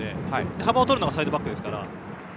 幅を取るのがサイドバックですから。